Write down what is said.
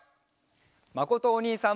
まことおにいさんも。